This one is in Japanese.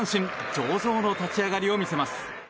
上々の立ち上がりを見せます。